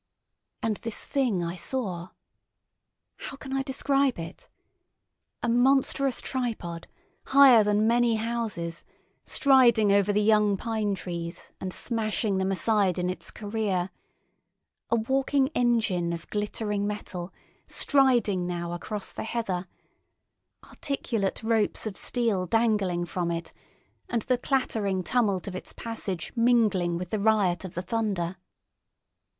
And this Thing I saw! How can I describe it? A monstrous tripod, higher than many houses, striding over the young pine trees, and smashing them aside in its career; a walking engine of glittering metal, striding now across the heather; articulate ropes of steel dangling from it, and the clattering tumult of its passage mingling with the riot of the thunder.